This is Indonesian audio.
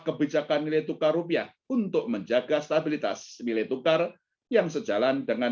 kebijakan nilai tukar rupiah untuk menjaga stabilitas nilai tukar yang sejalan dengan